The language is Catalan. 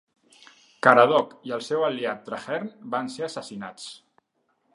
Caradog i el seu aliat Trahaearn van ser assassinats.